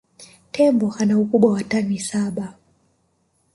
Tembo ana ukubwa wa tani saba